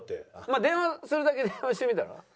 まあ電話するだけ電話してみたら？